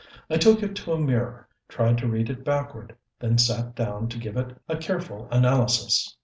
I took it to a mirror, tried to read it backward, then sat down to give it a careful analysis.